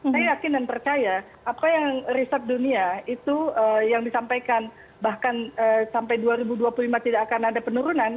saya yakin dan percaya apa yang riset dunia itu yang disampaikan bahkan sampai dua ribu dua puluh lima tidak akan ada penurunan